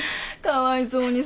かわいそうに。